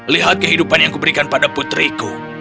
lihat kehidupan yang kuberikan pada putriku